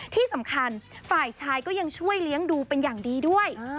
ที่สำคัญฝ่ายชายก็ยังช่วยเลี้ยงดูเป็นอย่างดีด้วย